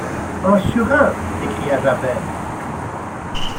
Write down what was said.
Un surin! s’écria Javert.